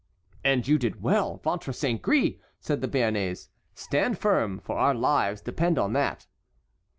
"And you did well, ventre saint gris!" said the Béarnais. "Stand firm, for our lives depend on that."